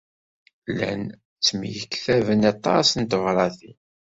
Llan ttemyektaben aṭas n tebṛatin